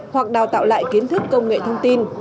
hoặc đào tạo lại kiến thức công nghệ thông tin